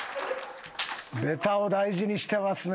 ベタを大事にしてますね。